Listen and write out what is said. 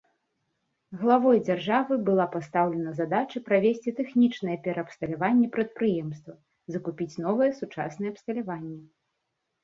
Главой дзяржавы была пастаўлена задача правесці тэхнічнае пераабсталяванне прадпрыемства, закупіць новае сучаснае абсталяванне.